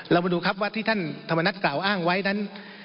เรามาดูครับว่าที่ท่านท่ามณตรขล้างอ้างไว้นั้น